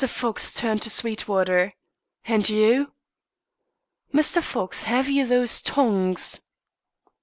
Fox turned to Sweetwater. "And you?" "Mr. Fox, have you those tongs?"